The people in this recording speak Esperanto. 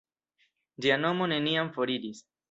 Ĝia nomo neniam foriris.